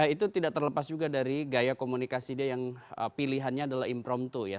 itu tidak terlepas juga dari gaya komunikasi dia yang pilihannya adalah impromp to ya